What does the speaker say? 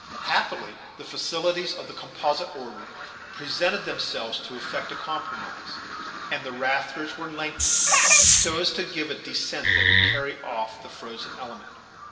Happily the facilities of the composite order presented themselves to effect a compromise, and the rafters were lengthened, so as to give a descent that should carry off the frozen element.